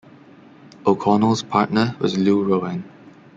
O'Connell's partner was Lou Rowan.